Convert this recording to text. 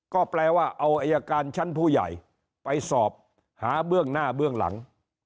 ก็แปลว่าเอาอายการชั้นผู้ใหญ่ไปสอบหาเบื้องหน้าเบื้องหลัง